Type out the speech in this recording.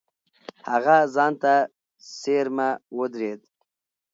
هغه ځان ته څېرمه ودرېد.